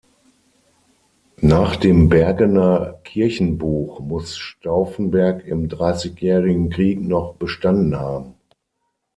Nach dem Bergener Kirchenbuch muss Staufenberg im Dreißigjährigen Krieg noch bestanden haben.